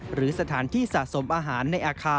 หรือสถานที่สะสมอาหารในอาคาร